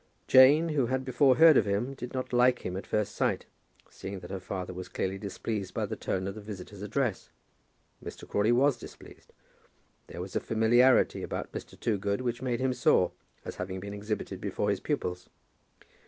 Jane, who had before heard of him, did not like him at first sight, seeing that her father was clearly displeased by the tone of the visitor's address. Mr. Crawley was displeased. There was a familiarity about Mr. Toogood which made him sore, as having been exhibited before his pupils.